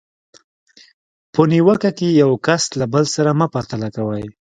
په نیوکه کې یو کس له بل سره مه پرتله کوئ.